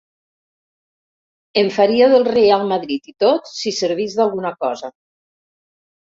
Em faria del Reial Madrid i tot, si servís d'alguna cosa.